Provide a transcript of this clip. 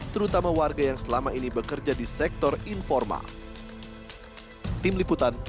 terutama warga yang selama ini bekerja di sektor informal